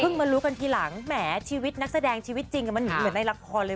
มารู้กันทีหลังแหมชีวิตนักแสดงชีวิตจริงมันเหมือนในละครเลย